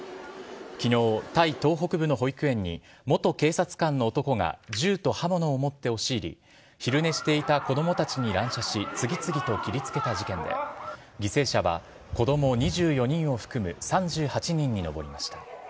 昨日、タイ東北部の保育園に元警察官の男が銃と刃物を持って押し入り昼寝していた子供たちに乱射し次々と切りつけた事件で犠牲者は子供２４人を含む３８人に上りました。